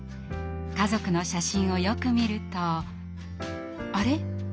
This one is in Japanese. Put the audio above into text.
家族の写真をよく見るとあれ？